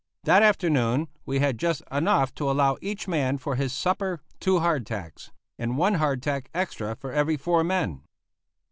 That afternoon we had just enough to allow each man for his supper two hardtacks, and one hardtack extra for every four men.